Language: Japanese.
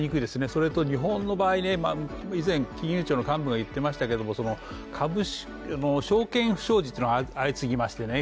それと日本の場合、以前金融庁の幹部が言ってましたけども株式証券不祥事が相次ぎましてね